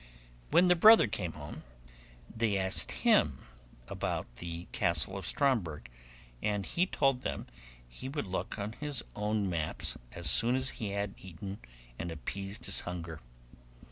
When the brother came home, they asked him about the castle of Stromberg, and he told them he would look on his own maps as soon as he had eaten and appeased his hunger.